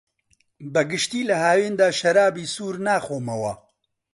بەگشتی لە هاویندا شەرابی سوور ناخۆمەوە.